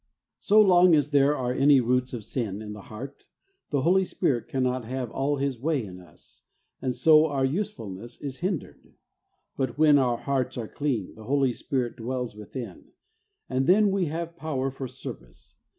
So long as there are any roots of sin in the heart, the Holy Spirit cannot have all H is way in us, and so our usefulness is hindered. But when our hearts are clean, the Holy Spirit dwells within, and then we have power for service.